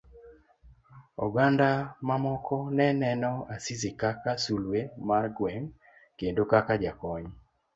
Oganda mamoko neneno Asisi kaka sulwe mar gweng kendo kaka jakony.